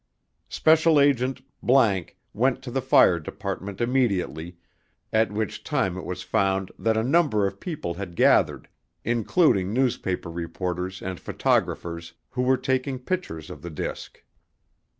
SA ____ went to the fire department immediately at which time it was found that a number of people had gathered including newspaper reporters and photographers who were taking pictures of the disc.